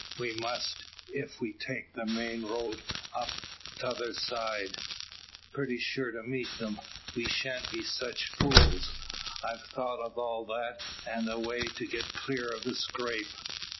"We must, ef we take the main road up tother side pretty sure to meet 'em. We shan't be sech fools. I've thought o' all that, an' a way to get clear of the scrape."